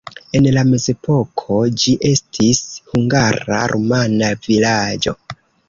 En la mezepoko ĝi estis hungara-rumana vilaĝo.